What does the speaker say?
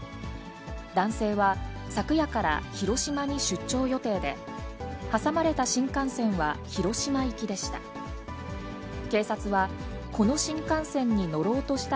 男性は昨夜から広島に出張予定で、挟まれた新幹線は広島行きでした。